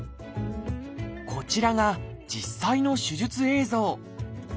こちらが実際の手術映像。